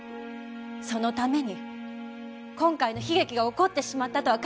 そのために今回の悲劇が起こってしまったとは考えられませんか？